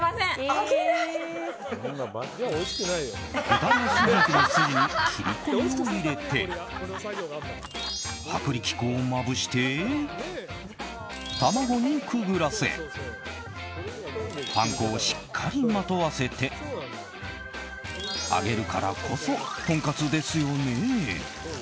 豚ロース肉の筋に切り込みを入れて薄力粉をまぶして卵にくぐらせパン粉をしっかりまとわせて揚げるからこそとんかつですよね。